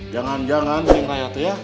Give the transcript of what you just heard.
jangan jangan neng raya tuh ya